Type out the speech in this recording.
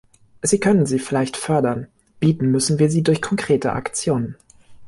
Sie können sie vielleicht fördern, bieten müssen wir sie durch konkrete Aktionen.